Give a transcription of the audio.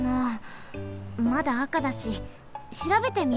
まだあかだししらべてみようかな。